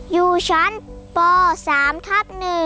อยู่ชั้นป๓ทับ๑